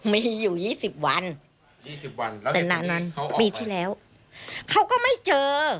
มีอยู่๒๐วันแต่นั้นปีที่แล้วเค้าก็ไม่เจอ